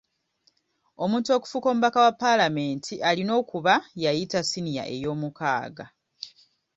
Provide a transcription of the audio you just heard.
Omuntu okufuuka omubaka wa Paalamenti alina okuba yayita siniya eyoomukaaga.